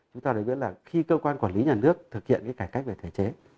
chúng ta thấy là khi cơ quan quản lý nhà nước thực hiện cái cải cách về thể chế